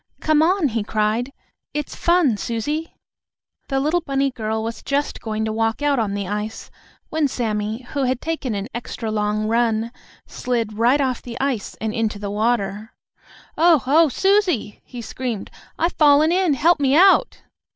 "Come on!" he cried. "It's fun, Susie." The little bunny girl was just going to walk out on the ice, when Sammie, who had taken an extra long run, slid right off the ice and into the water. "Oh! Oh, Susie!" he screamed. "I've fallen in! Help me out!"